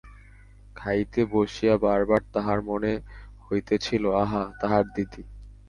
খাইতে বসিয়া বার বার তাহার মনে হইতেছিল, আহা, তাহার দিদি।